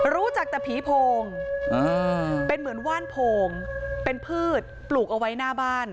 รู้จักแต่ผีโพงเป็นเหมือนว่านโพงเป็นพืชปลูกเอาไว้หน้าบ้าน